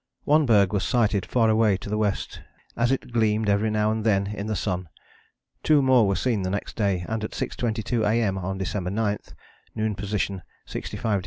one berg was sighted far away to the west, as it gleamed every now and then in the sun. Two more were seen the next day, and at 6.22 A.M. on December 9, noon position 65° 8´ S.